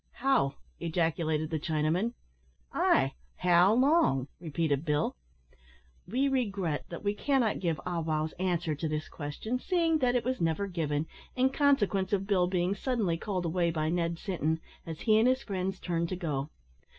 "How!" ejaculated the Chinaman. "Ay, how long?" repeated Bill. We regret that we cannot give Ah wow's answer to this question, seeing that it was never given, in consequence of Bill being suddenly called away by Ned Sinton, as he and his friends turned to go.